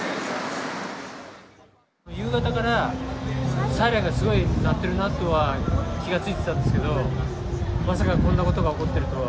夕方からサイレンがすごい鳴ってるなとは気が付いてたんですけど、まさかこんなことが起こってるとは。